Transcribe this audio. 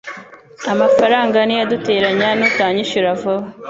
amafaranga niyo azaduteranya nutanyishyura vuba